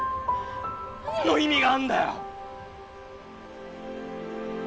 何の意味があんだよ！